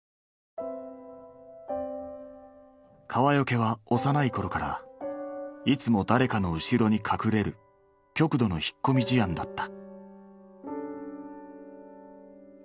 川除は幼い頃からいつも誰かの後ろに隠れる極度の引っ込み思案だった。